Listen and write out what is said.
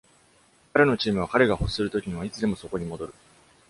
彼のチームは彼が欲するときにはいつでもそこに戻る。